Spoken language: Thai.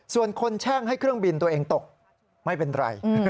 ส่วนคนแช่งให้เครื่องบินตัวเองตกไม่เป็นไร